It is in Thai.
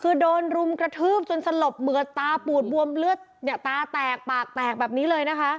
คือโดนรุมกระทืบจนสลบเหมือดตาปูดบวมเลือดเนี่ยตาแตกปากแตกแบบนี้เลยนะคะ